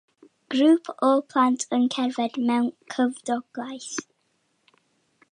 Grŵp o blant yn cerdded mewn cymdogaeth.